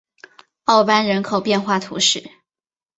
奥班人口变化图示